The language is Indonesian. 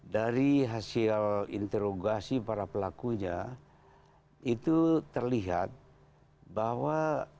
dari hasil interogasi para pelakunya itu terlihat bahwa